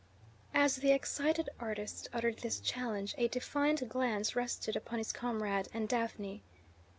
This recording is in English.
As the excited artist uttered this challenge a defiant glance rested upon his comrade and Daphne.